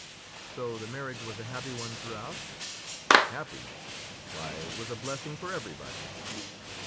"So the marriage was a happy one throughout?" "Happy! why it was a blessing for everybody."